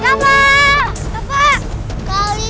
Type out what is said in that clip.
kak ali tolong kak ali